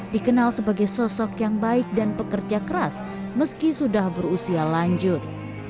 dikenal sebagai sosok yang baik dan pekerja keras meski sudah berusia lanjut